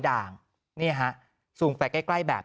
ด่างนี่ฮะซูมไปใกล้แบบ